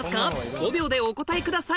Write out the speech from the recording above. ５秒でお答えください